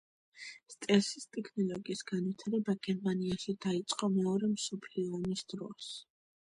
სტელსის ტექნოლოგიის განვითარება გერმანიაში დაიწყო მეორე მსოფლიო ომის დროს.